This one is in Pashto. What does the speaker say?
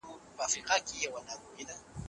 که په بازار کي ګڼه ګوڼه کنټرول سي، نو خلګ نه تنګیږي.